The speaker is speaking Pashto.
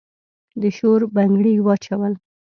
د شور بنګړي واچول